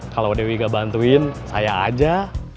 kalau dewi gak bantuin saya aja